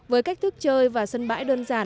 với cách thức chơi và sân bãi đơn giản